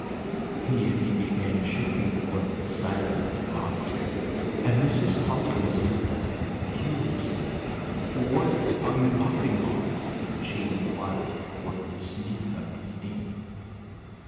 Here he began shaking with silent laughter, and Mrs. Hopkins looked at him curiously. "What are you laughing at?" she inquired, with a sniff of disdain.